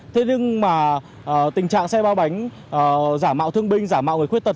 thế nhưng mà tình trạng xe ba bánh giả mạo thương binh giả mạo người khuyết tật